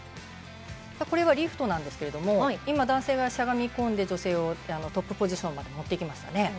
これはリフトなんですけれど今、男性がしゃがみ込んで女性をトップポジションまでもってきましたね。